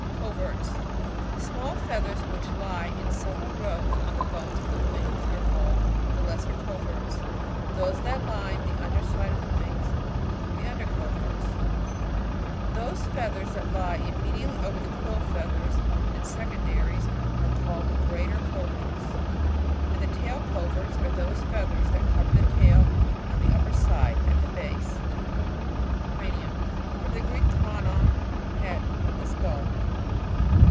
^ j Coverts. — The small feathers which j lie in several rows on tlie bones of ; the wings are called the Leaser coverts ; those ihat line the under side of the wings, the Under dowrt*/ those feathers that lie im mediately over the quill feathers, and secondaries, are the Oreattr eoverta ; and the Tail coverts, are those feathers that cover the tail on the upper side, at the base. Cranium.— From the Greek, kramn, head. The skull.